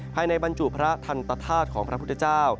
บรรจุพระทันตธาตุของพระพุทธเจ้า